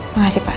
terima kasih pak